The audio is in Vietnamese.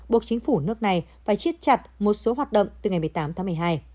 buộc chính phủ nước này phải chiết chặt một số hoạt động từ ngày một mươi tám tháng một mươi hai